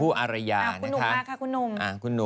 ขอโทษเลยนะครับ